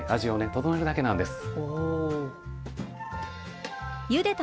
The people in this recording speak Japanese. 調えるだけなんです。